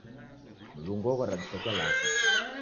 Mlungu oghora diseke laka